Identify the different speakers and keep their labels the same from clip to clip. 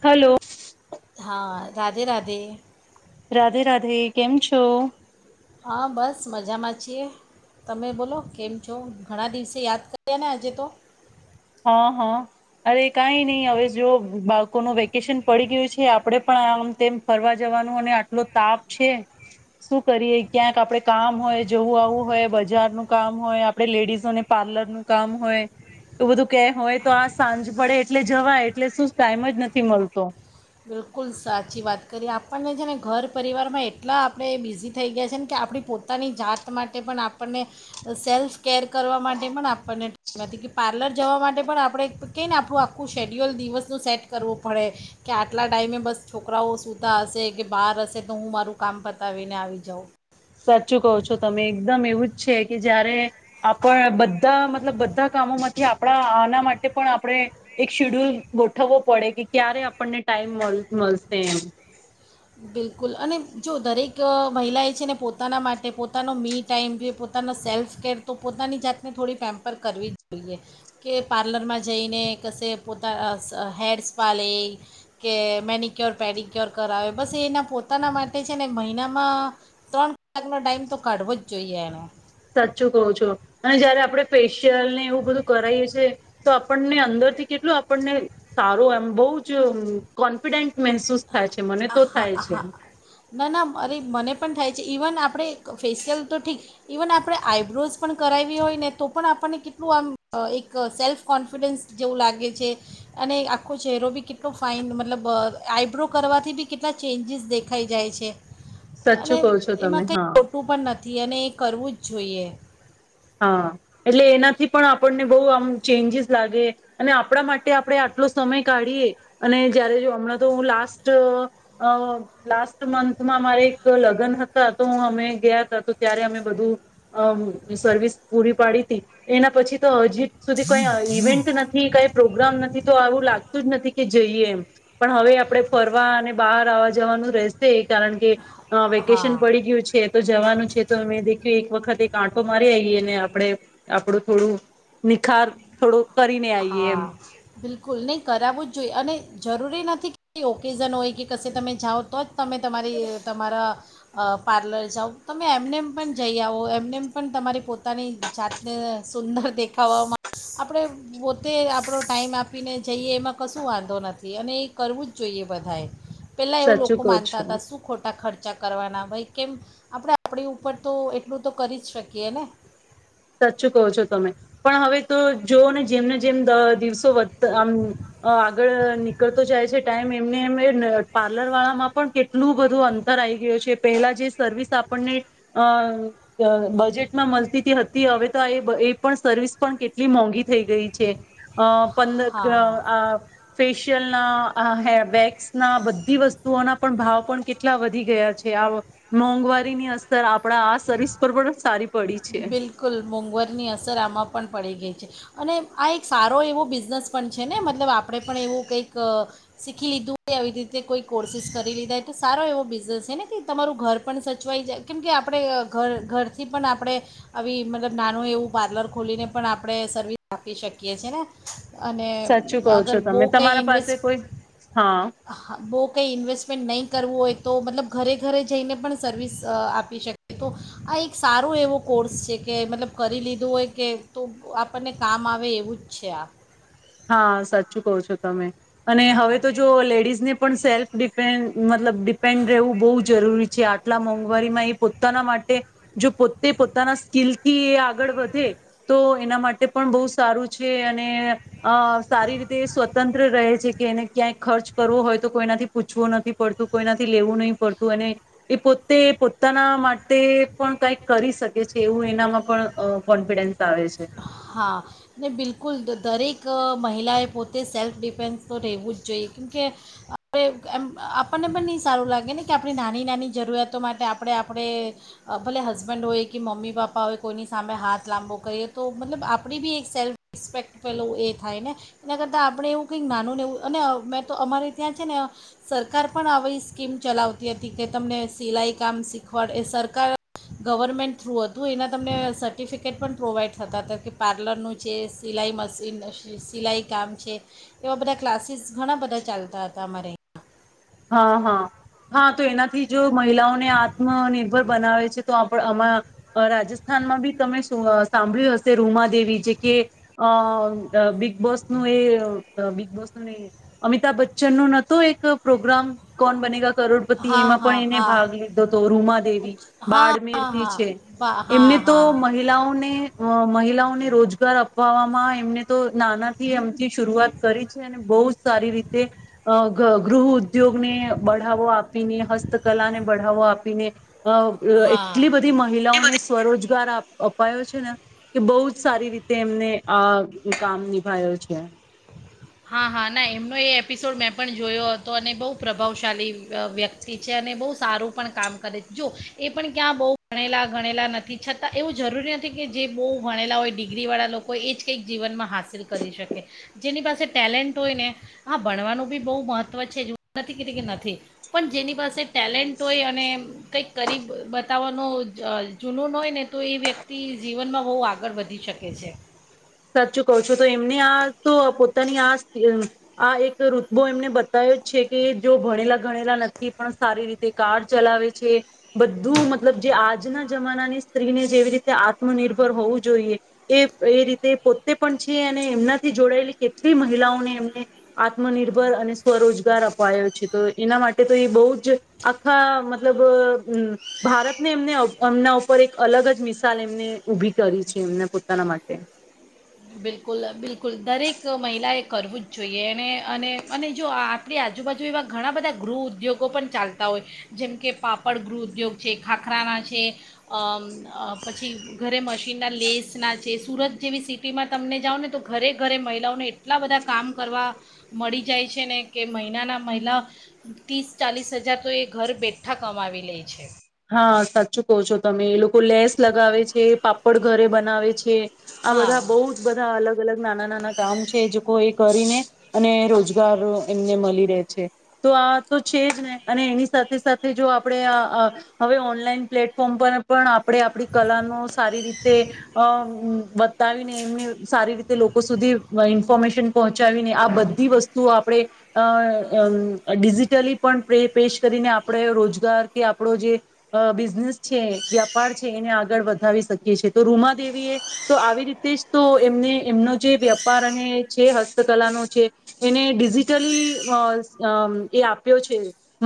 Speaker 1: Hello.
Speaker 2: હા રાધે રાધે.
Speaker 1: રાધે રાધે, કેમ છો?
Speaker 2: હા બસ મજામાં છીએ, તમે બોલો કેમ છો, ઘણા દિવસે યાદ કારીયા ને આજે તો?
Speaker 1: હા હા અરે કઈ નહી હવે જો બાળકોનું વેકેશન પડી ગયું છે આપડે પણ આમ તેમ ફરવા જવાનું આટલો તાપ છે, શું કરીએ ક્યાંક આપડે કામ હોય, જવું આવું હોય બજારનું કામ હોય આપે લેડીઝોને પાર્લરનું કામ હોય. એવું બધું કે હોય તો આ સાંજ પડે એટલે જવાય એટલે શું ટાઈમ જ નથી મળતો.
Speaker 2: બિલકુલ સાચી વાત કરી, આપર્ણે છે ને ઘર પરિવારમાં એટલા આપણે બિઝી થઈ ગયા છે ને કે આપણી પોતાની જાત માટે પણ આપણને સેલ્ફ કેર કરવા માટે પણ આપણને [unintelligible] નથી કે પાર્લર જવા માટે પણ આપણે ક ને આપણું આખું શેડ્યુલ દિવસનું સેટ કરવું પડે કે આટલા ટાઈઇમે બસ છોકરાઓ સુતા હશે, કે બહાર હશે તો હું મારું કામ પતાવીને આવી જાઉં.
Speaker 1: સાચું કહો છો તમે, એકદમ એવું જ છે કે જયારે આપણ બ ધા મતલબ બધા કામોમાંથી આપ આપણા આના માટે પણ આપણે એક શેડ્યુલ ગોઠવવો પડે કે ક્યારે આપણને ટાઈમ મલ મલશે એમ.
Speaker 2: બિલકુલ, અને જો દરેક મહિલાએ છે ને પોતાના માટે પોતાનો મી ટાઈમ, જે પોતાનો સેલ્ફકેર તો પોતાની જાતને થોડી પેમ્પર કરવી જ જોઈએ કે પાર્લરમાં જઈને કશે પોતા હૈરસ્પા લે, કે મેનિક્યોર પેડિક્યોર કરાવે બસ એના પોતાના માટે છે ને મહિનામાં ત્રણ કલાકનો ટાઈમ તો કાઢવો જ જોઈએ એણે.
Speaker 1: સાચું કહું છો, અને જ્યારે આપણે પેશ યલ ને એવું બધું કરાઈએ છે તો આપણને અંદરથી કેટલું આપણને સારું એમ બહુ જ કોન્ફિડેન્ટ મહેસૂસ થાય છે મને
Speaker 2: આ
Speaker 1: તો થાય
Speaker 2: હા
Speaker 1: છે
Speaker 2: હહા ના ના અરે મને પણ થાય. ઇવન આપણે ફેશિયલ તો ઠીક ઇવન આપણે આઈબ્રોઝ પણ કરાવી હોય ને તો પણ આપણને કેટલું આમ એક સેલ્ફ કોન્ફિડન્સ જેવું લાગે છે અને આખો ચહેરો બી કેટલો ફાઇન મતલબ આઈબ્રો કરવા. થી બી કેટલા ચેન્જીસ દેખાઈ જાય છે.
Speaker 1: સાચું
Speaker 2: અને
Speaker 1: કહો છો
Speaker 2: એમાં
Speaker 1: તમે
Speaker 2: કઈ
Speaker 1: હા
Speaker 2: ખોટું પણ નથી અને કરવું જ જોઈએ.
Speaker 1: હા એટલે એનાથી પણ આપણને બહ આમ ચેન્જીસ લાગે અને આપણા માટે આપણે આટલો સમય કાઢીએ અને જયારે જો હમણાં તો હું લાસ્ટ લાસ્ટ મંથમાં અમારે એક લગ્ન હતા તો હ અમે ગયા હતા તો ત્યારે અમે બધું અ સર્વિસ પૂરી પાડી હતી એના પછી તો હજી સુધી કઈ ઇવેન્ટ નથી કઈ પ્રોગ્રામ નથી તો આવું લાગત જ નથી કે જઈએ એમ પણ હવે આપણે ફરવા અને બહાર આવવા જવાનું રહેશે કારણ કે અ વેકેશન
Speaker 2: હા
Speaker 1: પડી ગયું છે તો જવાનું છે તો અમે દેખ્યું એક વખત એક મારી આવીઈએ ને આપડે આપડું થોડું નિખાર થોડું કરીને આઈએ એમ.
Speaker 2: સ્કૂલ ન કરાવું જ જોઈએ અને જરૂરી નથી કે ઓકેઝન હોય કે કશે તમે જાઓ તો જ તમે તમારી તમારા પાર્લર જાઓ તમે એમનેમ પણ જઈ આવો એમનેમ પણ તમારી પોતાની જાતને સુંદર દેખાવામાં આપણે પોતે આપણો ટાઈમ આપીને જઈએ એમાં કશું વાંધો નથી અને એ કરવું જ જોઈએ બધાએ પેલા એવું
Speaker 1: સાચું
Speaker 2: લોકો
Speaker 1: કહ
Speaker 2: માનતા
Speaker 1: છું.
Speaker 2: હતા શું ખોટા ખર્ચ બચા કરવાના ભાઈ કેમ આપણે આપણી ઉપર તો એટલું તો કરી જ શકીએ ને.
Speaker 1: સાચચું કહો છો તમે પણ હવે તો જોઓ ને જેમને જેમ દિવસો વધતા આમ આગળ નીકળતો જાય છે ટાઈમ એમને એમ એ પાર્લર વાળામાં પણ કેટલું બધું અંતર આવીઈ ગયું છે પહેલા જે સર્વિસ આપણને બજેટમાં મળતી હતી. થી હવે તો એ એ પણ સર્વિસ પણ કેટલી મોંઘી થઈ ગઈ છે અ પંદ
Speaker 2: હા
Speaker 1: આ ફેશિયલના આ હેર વેક્સના બધી વસ્તુઓના પણ ભાવ પણ કેટલા વધી ગયા છે આ મોંઘવારીની અસર આપણા આ સર્વિસ પર પણ સારી પડી છે.
Speaker 2: બિલકુલ મોંઘવારની અસર આમાં પણ પડી ગઈ છે અને આ એક સારો એવો બિઝનેસ પણ છે ને મતલબ આપણે પણ એવું કંઈક શીખી લીધું આવી રીતે કોઈ કોર્સિસ કરી લીધા તો સારો એવો બિઝનેસ છે ને કે તમારું ઘર પણ સચવાઈ જાય કેમ કે આપણે ઘર ઘરથી પણ આપણે આવી મતલબ નાનું એવું પાર્લર ખોલીને પણ આપણે સર્વિસ આપી શકીએ છ છેએ ને અ અને
Speaker 1: સાચું કહો
Speaker 2: અગર
Speaker 1: છો
Speaker 2: બહ
Speaker 1: તમે
Speaker 2: કંઈ
Speaker 1: તમારા પાસે
Speaker 2: ઇન્વેસ્ટ
Speaker 1: કોઈ હા
Speaker 2: હા બહ કંઈ ઇન્વેસ્ટમેન્ટ નહીં. કરવું હોય તો મતલબ ઘરે ઘરે જઈને પણ સર્વિસ આપી શકે. તો આ એક સારો એવો કોર્સ છે કે મતલબ કરી લીધું હોય કે તો આપણને કામ આવે એવું જ છે આ.
Speaker 1: હા સાચું કહો છો તમે અને હવે તો જો લેડીઝને પણ સેલ્ફ ડિપેન્ મતલબ ડિપેન્ડ રહેવું બહુ જરૂરી છે આટલા મોંઘવારીમાં એ પોતાના માટે જો પોતે પોતાના સ્કીિલથી એ આગળ વધે તો એના માટે પણ બહુ સારું છે અને અ સારી રીતે સ્વતંત્ર રહે છે કે એને ક્યાંય ખર્ચ કરવો હોય તો કોઈનાથી પૂછવું નથી પડતું કોઈનાથી લેવું નહીં પડતું અને એ પોતે પોતાના માટે પણ કંઈક કરી શકે છે એવું એનામાં પણ કોન્ફિડન્સ આવે છે.
Speaker 2: હા ને બિલકુલ દરેક મહિલાએ પોતે સેલ્ફ ડિફેન્સ તો રહેવું જ જોઈએ કેમકે આપણે એમ આપણને પણ નહીં સારું લાગે ને કે આપણી નાની નાની જરૂરિયાતો માટે આપણે આપણે ભલે હસબન્ડ હોય કે મમ્મી પપ્પા હોય કોઈની સામે હાથ લાંબો કરીએ તો મતલબ આપણી બી એક સેલ્ફ રિસ્પેક્ટ પેલું એ થાય ને એના કરતાં આપણે એવું કંઈક નાનું નેવું અને મેં તો અમારે ત્યાં છે ને સરકાર પણ આવી સ્કીમ ચલાવતી હતી કે તમને સિલાઈ કામ શીખવાડ એ સરકાર ગવર્મેન્ટ થ્રુ હતું એના તમને સર્ટિફિકેટ પણ પ્રોવાઈડ થતા હતા કે પાર્લરનું છે સિલાઈ મશીન સિલાઈ કામ છે એવા બધા ક્લાસીસ ઘણા બધા ચાલતા હતા અમારે અહીંયા
Speaker 1: હા હા હા તો એનાથી જો મહિલાઓને આત્મનિર્ભર બનાવે છે. તો આપ આમાં રાજસ્થાનમાં બી તમે સાંભળ્યું હશે રૂમા દેવી જે કે અ બિગ બોસનું એ બિગ બોસનું અમિતાભ બચ્ચન ન નહોતતો એક પ્રોગ્રામ કોણ બનેગ કરોડપતિ
Speaker 2: હા
Speaker 1: એમાં પણ
Speaker 2: હા
Speaker 1: એને
Speaker 2: હા
Speaker 1: ભાગ લીધો હતો રૂમાદેવી
Speaker 2: અચ્છા, હા હા
Speaker 1: બાળમેરથી
Speaker 2: હા
Speaker 1: છે
Speaker 2: બા
Speaker 1: એમને
Speaker 2: હા
Speaker 1: તો
Speaker 2: હા
Speaker 1: મહિલાઓને મહિલાઓને રોજગાર અપવામાં એમને તો નાનાથી એમથી શરૂઆત કરી છે અને બહુ સારી રીતે ગૃહ ઉદ્યોગ ને બઢાવો આપીને હસ્તકલાને બઢાવો આપીને. અ
Speaker 2: હા
Speaker 1: એટલી બધી મહિલાઓને સ્વરોજગાર આપ અપાયો છે ને કે બહુ જ સારી રીતે એમને આ કામ નિભાયો છે
Speaker 2: હા હા ના એમનો એ એપિસોડ મેં પણ જોયો હતો અને બહુ પ્રભાવશાળી વ્યક્તિ છે અને બહુ સારું પણ કામ કરે જો એ પણ ક્યાં બહુ ભણેલા ગણેલા નથી છતાં એવું જરૂરી નથી કે જે બહુ ભણેલા હોય ડિગ્રીવાળા લોકો એ જ કંઈક જીવનમાં હાંસિલ કરી શકે જેની પાસે ટેલેન્ટ હોય ને આ ભણવાનું બી બહુ મહત્ત્વ છે જ નથી કેતી કે નથી પણ જેની પાસે ટેલેન્ટ હોય અને કંઈક કરી બતાવવાનો જ જૂનૂન હોય ને તો એ વ્યક્તિ જીવનમાં બહુ આગળ વધી શકે છે
Speaker 1: સાચું કહ છું તો એમને આ તો પોતાની આ આ એક ઋતબો એમને બતાયો જ છે કે જો ભણેલા ભણેલા નથી પણ સારી રીતે કાર ચલાવે છે બધું મતલબ જે આજના જમાનાની સ્ત્રીને જેવી રીતે આત્મનિર્ભર હોવું જોઈએ એ એ રીતે પોતે પણ છે અને એમનાથી જોડાયેલી કેટલી મહિલાઓને એમને આત્મનિર્ભર અને સ્વરોજગાર અપાયો છે તો એના માટે તો એ બહુ જ આખા મતલબ ભારતને એમને એમના ઉપર એક અલગ જ મિસાલ એમને ઉઊભી કરી છે એમને પોતાના માટે
Speaker 2: બિલકુલ બિલકુલ દરેક મહિલાએ કરવું જ જોઈએ એને અને અને જો આ આપણી આજુબાજુ એવા ઘણા બધા ગૃહ ઉદ્યોગો પણ ચાલતા હોય જેમ કે પાપડ ગૃહ ઉદ્યોગ છે ખાખરાના છે અ અમ પછી ઘરે મશીનના લેસના છે સુરત જેવી સિટી સીટીમાં તમને જાઓ ને તો ઘરે ઘરે મહિલાઓને એટલા બધા કામ કરવા મળી જાય છે ને કે મહિનાના મહિલા ત્રીસ ચાલીસ હજાર તો એ ઘર બેઠા કમાવી લે છે
Speaker 1: હા સાચું કહો છો તમે એ લોકો લેસ લગાવે છે પાપડ ઘરે બનાવે છે આ બધા
Speaker 2: હા
Speaker 1: બઉ જ બધા અલગ અલગ નાના નાના ગામ છે જે કો કરીને અને રોજગાર એમને મળી રહે છે તો આ તો છે જ ને અને એની સાથે સાથે જો આપણે આ અ હવે ઓનલાઈન પ્લેટફોર્મ પર પણ આપ આપણે આપણી કલા નો સારી રીતે અ બતાવીને એમને સારી રીતે તે લોકો સુધી ઇન્ફોર્મેશન પહોંચાવીને આ બધી વસ્તુઓ આપણે અ અમ ડિજિટલી પણ પ પેશ કરીને આપણે રોજગાર કે આપણો જે અ બિઝનેસ છે વ્યાપાર છે એને આગળ વધાવી શકીએ છે તો રૂમા દેવીએ તો આવી રીતે જ તો એમને એમનો જે વ્યાપાર અને છે હસ્તકલાનો છે એને ડિજિટલી એ અ અમ આપ્યો છે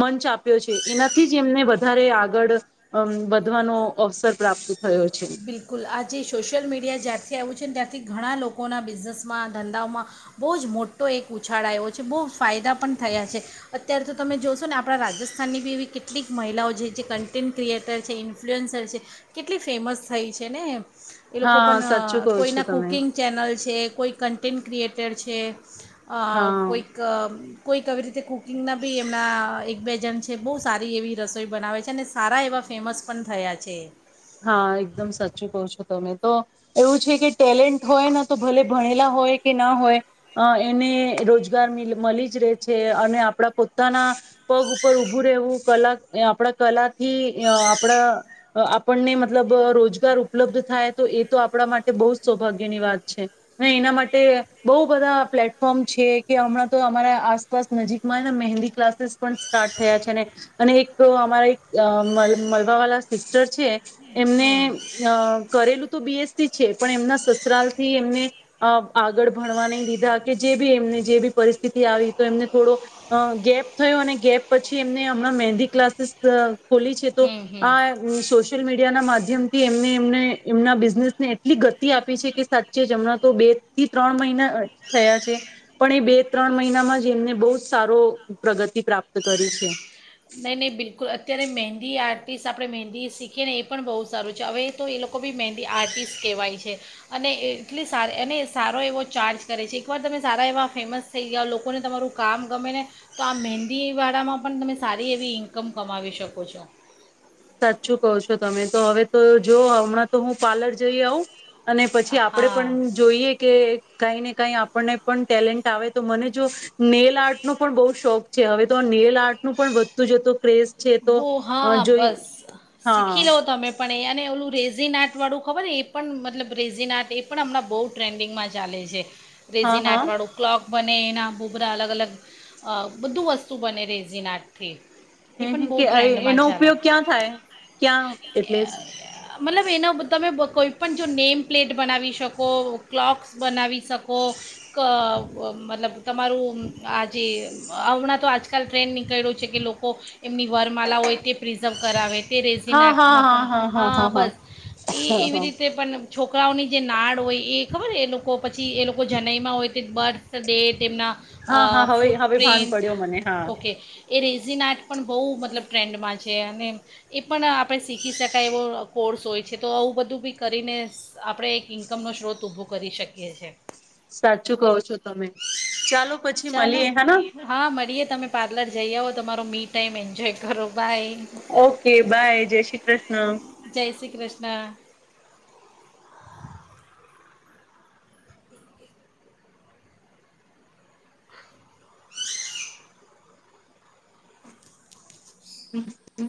Speaker 1: મંચ આપ્યો છે એનાથી જ એમને વધારે આગળ અમ વધવાનો અવસર પ્રાપ્ત થયો છે
Speaker 2: બિલકુલ આજે સોશિયલ મીડિયા જ્યારથી આવ્યું છે ત તથી ઘણા લોકોના બિઝનેસમાં ધંધાઓમાં બહુ જ મોટો એક ઉછાળ આવ્યો છે બહુ ફાયદા પણ થયા છે અત્યારે તો તમે જોશો ને આપણા રાજસ્થાનની બી એવી કેટલીક મહિલાઓ છે જે કન્ટેન્ટ ક્રિએટર છે ઇન્ફ્લુઅન્સર છે કેટલી ફેમસ થઈ છે ને એ લોકો
Speaker 1: હા
Speaker 2: પણ અ
Speaker 1: સાચું કહો છો
Speaker 2: કોઈના
Speaker 1: તમે
Speaker 2: કુકિંગ ચેનલ છે કોઈ ક ન્ટટેન્ટ ક્રિએટર છે આ
Speaker 1: હા
Speaker 2: કોઈક કોઈક કવી રીતે કુકિંગના બી એમના એક બે જણ છે બહુ સારી એવી રસોઈ બનાવે છે અને સારા એવા ફેમસ પણ થયા છે
Speaker 1: હા એકદમ સાચું કહ છો તમે તો એવું છે કે ટેલેન્ટ હોય ને તો ભલે ભણેલા હોય કે ના હોય અ એને રોજગાર મિ મળી જ રહે છે અને આપણા પોતાના પગ ઉપર ઉભું રહેવું કલા અ આપણા કલાથી અ આપણા આપને મતલબ રોજગાર ઉપલબ્ધ થાય તો એ તો આપણા માટે બહુ જ સૌભાગ્યની વાત છે એના માટે બહુ બધા પ્લેટફોર્મ છે કે હમણાં તો અમારા આસપાસ નજીકમાંને મહેંદી ક્લાસીસ પણ સ્ટાર્ટ થયા છે ને અને એક અમારા એક અ મલ મળલવા વાલા સિસ્ટર છે
Speaker 2: હમ
Speaker 1: એમને અ કરેલું તો બીએસસી છે પણ એમના સસરાાલ થી એમને આગળ ભણવા નહી દીધા કે જે બી અ એમને જે બી પરિસ્થિતિ આવી તો એમને થોડો અ ગેપ થયો અને ગેપ પછી એમને હમણાં મહેંદી ક્લાસીસ ખોલી છે તો
Speaker 2: હમ હમ
Speaker 1: આ સોશિયલ મીડિયા ના માધ્યમથી એમને એમને એમના બિઝનેસને એટલી ગતિ આપી છે કે સાચે જ હમણાં તો બે થી ત્રણ મહિના થયા છે પણ એ બે ત્રણ મહિનામાં જ એમને બહુ જ સારો પ્રગતિ પ્રાપ્ત કરી છે
Speaker 2: નહીં નહીં બિલકુલ અત્યારે મહેંદી આર્ટિસ્ટ આપણે મહેંદી શીખીએ ને એ પણ બહુ સારું છે હવે તો એ લોકો બી મહેંદી આર્ટિસ્ટ કહેવાય છે અને એટલી સારી અને સારો એવો ચાર્જ કરે છે એકવાર તમે સારા એવા ફેમસ થઈ ગયાઓ લોકોને તમારું કામ ગમે ને તો આ મહેંદીવાળામાં પણ તમે સારી એવી ઇન્કમ કમાવી શકો છો
Speaker 1: સાચું કહો છો તમે તો હવે તો જો હમણાં તો હું પાર્લર જઈ આવું અને પછી આપડે
Speaker 2: હા
Speaker 1: પણ જોઈએ કે કાંઈ ને કાંઈ આપણને પણ ટેલેન્ટ આવે તો મને જો નેલ આર્ટ ન પણ બહુ શોખ છે હવે તો નેલ આર્ટનું પણ વધતું જતું ક્રેઝ છે તો અ જોઈ હા
Speaker 2: શીખીલો તમે પણ એને ઓલું રેસ રેઝિન આર્ટ વાળું ખબર એ પણ મતલબ રેઝિન આર્ટ એ પણ હમણાં બહુ ટ્રેન્ડિંગમાં ચાલે છે
Speaker 1: હા
Speaker 2: રેઝિને
Speaker 1: હા
Speaker 2: આઠવાડું ક્લોક બને એના બહુ બધા અલગ અલગ બધું વસ્તુ બને રેઝનાટથી એ
Speaker 1: હમ
Speaker 2: પણ
Speaker 1: હમ
Speaker 2: બહુ
Speaker 1: કે
Speaker 2: ટ્રેન્ડમાં
Speaker 1: એનો
Speaker 2: ચાલે
Speaker 1: ઉપયોગ ક્યાં થાય ક્યાં એટલે
Speaker 2: મતલબ એના તમે કોઈ પણ જો નેમ પ્લેટ બનાવી શકો ક્લોક્સ બનાવી શકો મતલબ તમારું આજે હણાં તો આજકાલ ટ્રેન્ન નીકળ્યો છે કે લોકો એમની વરમાલા હોય તે પ્રિઝર્વ કરાવે. તે રહેસી નાથમાં પણ હા બસ એ
Speaker 1: હા
Speaker 2: એવી રીતે પણ છોકરાઓની જે નાળ હોય એ ખબર એ લોકો પછી એ લોકો જનઈમાં હોય તે બર્થ ડે તેમના
Speaker 1: હા હા હા હવે
Speaker 2: ફૂટ
Speaker 1: હવે ભાન
Speaker 2: પ્ર્રિન્ટ
Speaker 1: પડ્યો મને હા
Speaker 2: ઓકે એ રઝનાટ બહુ મતલબ ટ્રેન્ડમાં છે અને એ પણ આપણે શીખી શકાય એવો કોર્સ હોય છે તો આવું બધું બી કરીને આપણે એક ઇન્કમનો સ્ત્રોત ઊભો કરી શકીએ છ છે.
Speaker 1: સાચું કહો છો તમે ચાલો પછી
Speaker 2: ચાલો
Speaker 1: મળીએ હેના.
Speaker 2: હા મળીએ તમે પાર્લર જઈ આવો તમારો મીટ ટાઈમ એન્જોય કરો. બાય
Speaker 1: ઓકે બાય જય શ્રી કૃષ્ણ.
Speaker 2: ના.
Speaker 1: હમ.